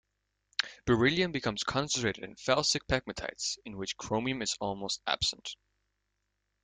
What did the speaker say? Beryllium becomes concentrated in felsic pegmatites in which chromium is almost absent.